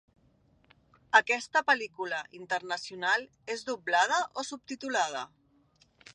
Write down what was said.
Aquesta pel·lícula internacional és doblada o subtitulada?